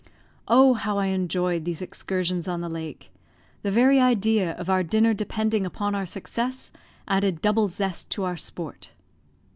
Oh, how I enjoyed these excursions on the lake; the very idea of our dinner depending upon our success added double zest to our sport!